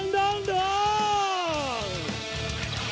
ล่าสุดแพ้น็อคให้กับภูซานธนสิทธิ์มวยไทยยิมเอาไว้นะครับ